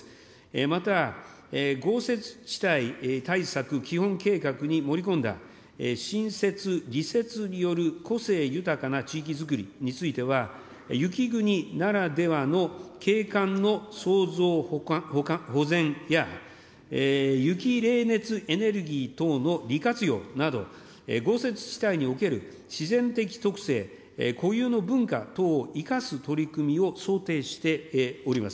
また豪雪地帯対策基本計画に盛り込んだ、親雪・利雪による個性豊かな地域づくりについては、雪国ならではの景観のそうぞう保全や、雪冷熱エネルギー等の利活用など、豪雪地帯における自然的特性、固有の文化等を生かす取り組みを想定しております。